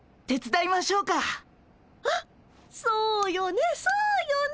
あっそうよねそうよね。